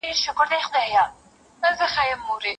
دا یوه شېبه مستي ده ما نظر نه کې رقیبه